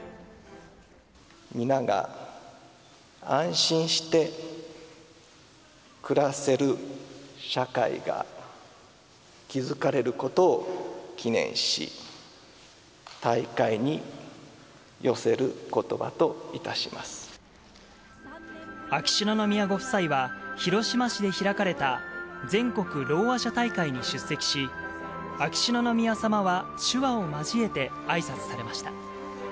皆が安心して暮らせる社会が築かれることを祈念し、秋篠宮ご夫妻は、広島市で開かれた全国ろうあ者大会に出席し、秋篠宮さまは手話を交えてあいさつされました。